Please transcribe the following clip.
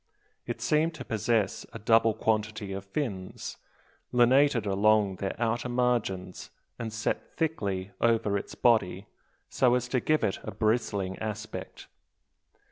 It seemed to possess a double quantity of fins, lunated along their outer margins, and set thickly over its body, so as to give it a bristling aspect.